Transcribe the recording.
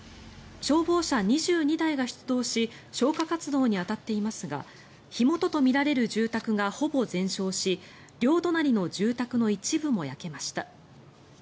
消防車２２台が出動し消火活動に当たっていますが火元とみられる住宅がほぼ全焼し両隣の住宅の一部も焼けました。